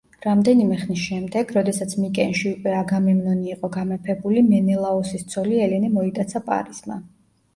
რამდენიმე ხნის შემდეგ, როდესაც მიკენში უკვე აგამემნონი იყო გამეფებული, მენელაოსის ცოლი ელენე მოიტაცა პარისმა.